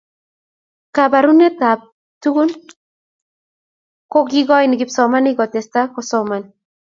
kaborunekab tukun kukoine kipsomaninik kutesta kusoman